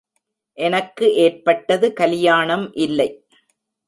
எனக்கு ஏற்பட்டது கலியாணம் இல்லை.